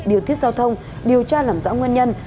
điều tiết giao thông điều tra làm rõ nguyên nhân